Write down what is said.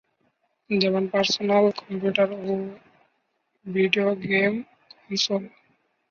যেমন personal computer এবং video game console.